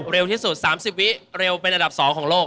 เร็วที่สุด๓๐วิเร็วเป็นอันดับ๒ของโลก